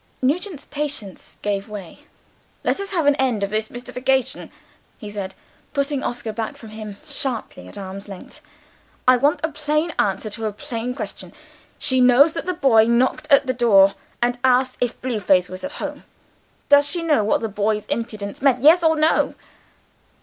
Nugent's patience gave way. "Let us have an end of this mystification," he said, putting Oscar back from him, sharply, at arm's length. "I want a plain answer to a plain question. She knows that the boy knocked at the door, and asked if Blue Face was at home. Does she know what the boy's impudence meant? Yes? or No?"